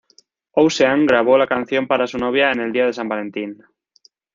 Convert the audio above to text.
Ocean grabó la canción para su novia en el Día de San Valentín.